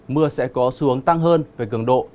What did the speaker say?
mưa sẽ có xuống tăng hơn về cường độ